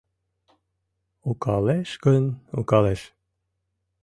Укалеш гын, укалеш